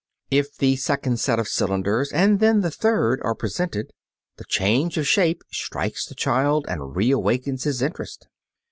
If the second set of cylinders and then the third are presented, the change of shape strikes the child and reawakens his interest.